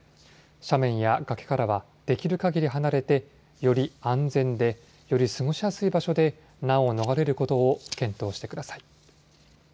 斜面や、崖からはできるかぎり離れてより安全でより過ごしやすい場所で難を逃れることを検討してください。